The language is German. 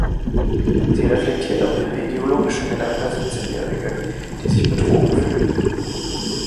Sie reflektiert auch ihre ideologischen Gedanken als Siebzehnjährige, die sich betrogen fühlt.